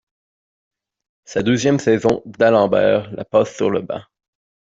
Sa deuxième saison, Dalembert la passe sur le banc.